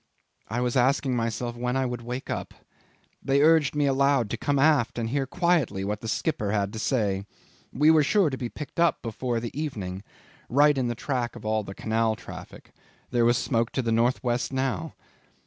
I was asking myself when I would wake up. They urged me aloud to come aft and hear quietly what the skipper had to say. We were sure to be picked up before the evening right in the track of all the Canal traffic; there was smoke to the north west now.